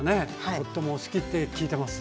とってもお好きって聞いてます。